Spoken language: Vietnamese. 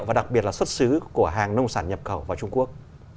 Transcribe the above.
và đặc biệt là xuất xứ của hàng nông sản nhập khẩu vào trung quốc